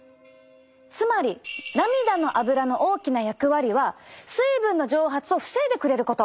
つまり涙のアブラの大きな役割は水分の蒸発を防いでくれること！